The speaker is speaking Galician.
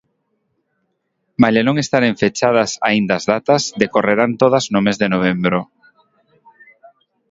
Malia non estaren fechadas aínda as datas, decorrerán todas no mes de novembro.